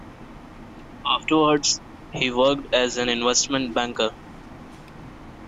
Afterwards, he worked as an investment banker.